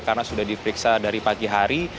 karena sudah diperiksa dari pagi hari